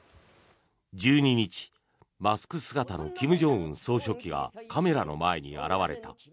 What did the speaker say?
１２日、マスク姿の金正恩総書記がカメラの前に現れた。